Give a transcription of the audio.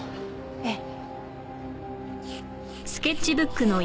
ええ。